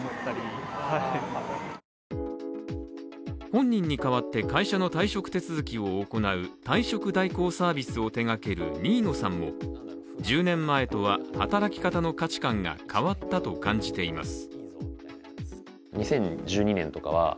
本人に代わって会社の退職手続きを行う退職代行サービスを手がける新野さんも１０年前とは働き方の価値観が変わったと感じています。